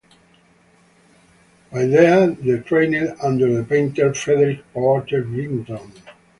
While there, he trained under the painter Frederick Porter Vinton.